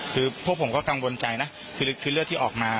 คือพวกผมก็กังวลใจนะคือเลือดที่ออกมา